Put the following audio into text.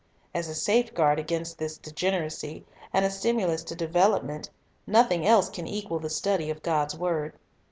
As a safeguard against this degeneracy, and a stimulus to development, nothing else can equal the study of God's word.